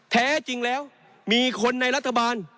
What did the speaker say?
แท้จริงแล้วมีคนในรัฐบาล